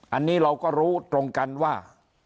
อันนี้เราก็รู้ตรงกันว่า